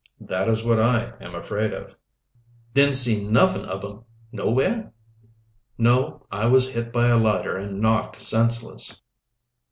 "That is what I am afraid of." "Didn't see nuffin ob 'em nowhere?" "No. I was hit by a lighter and knocked senseless."